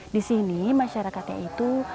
di sini masyarakatnya itu